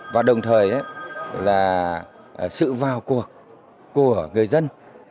và đồng thời là sự vào cuộc của người dân